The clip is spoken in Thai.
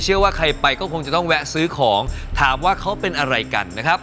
เชื่อว่าใครไปก็คงจะต้องแวะซื้อของถามว่าเขาเป็นอะไรกันนะครับ